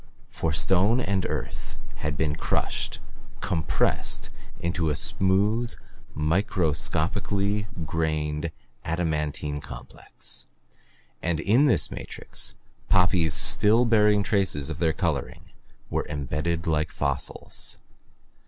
For stone and earth had been crushed, compressed, into a smooth, microscopically grained, adamantine complex, and in this matrix poppies still bearing traces of their coloring were imbedded like fossils.